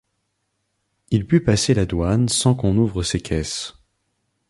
Il put passer la douane sans qu'on ouvre ses caisses.